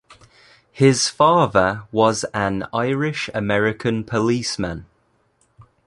His father was an Irish American policeman.